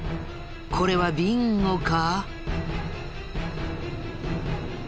これはビンゴか？